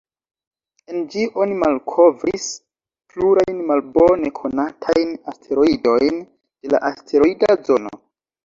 En ĝi oni malkovris plurajn malbone konatajn asteroidojn de la asteroida zono.